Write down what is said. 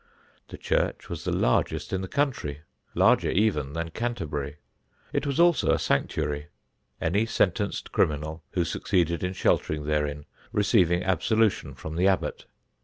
The church was the largest in the country, larger even than Canterbury. It was also a sanctuary, any sentenced criminal who succeeded in sheltering therein receiving absolution from the Abbot.